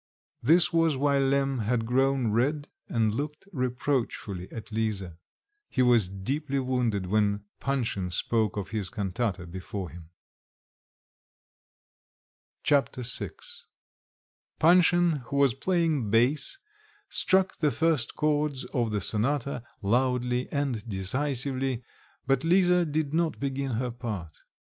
This was why Lemm had grown red, and looked reproachfully at Lisa; he was deeply wounded when Panshin spoke of his cantata before him. Chapter VI Panshin, who was playing bass, struck the first chords of the sonata loudly and decisively, but Lisa did not begin her part.